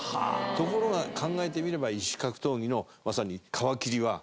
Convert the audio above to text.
ところが考えてみれば異種格闘技のまさに皮切りはこれだったわけですから。